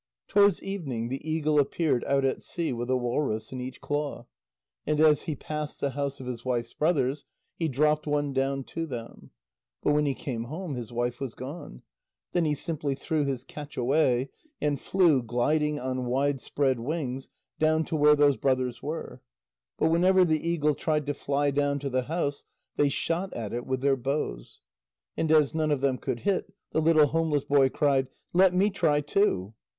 Towards evening, the eagle appeared out at sea, with a walrus in each claw, and as he passed the house of his wife's brothers, he dropped one down to them. But when he came home, his wife was gone. Then he simply threw his catch away, and flew, gliding on widespread wings, down to where those brothers were. But whenever the eagle tried to fly down to the house, they shot at it with their bows. And as none of them could hit, the little homeless boy cried: "Let me try too!"